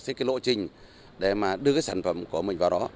một lộ trình để đưa sản phẩm của mình vào đó